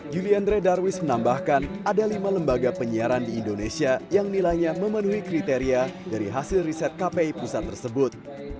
juliandre darwis menambahkan ada lima lembaga penyiaran di indonesia yang nilainya memenuhi kriteria dari hasil riset kpi pusat tersebut